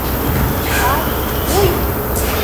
Ай, уй!